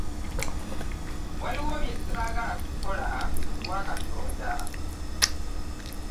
Waliwo bye ssaagala kukola ku lwa Katonda.